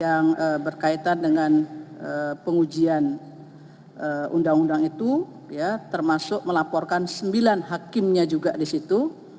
yang berkaitan dengan pengujian undang undang itu termasuk melaporkan sembilan hakimnya juga di situ